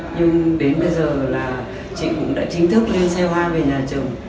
nhưng đến bây giờ là chị cũng đã chính thức lên xe hoa về nhà chồng